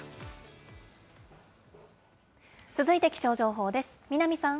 続いて気象情報です。